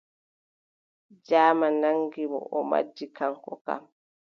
Jaaman naŋgi mo, o majji kaŋko kam.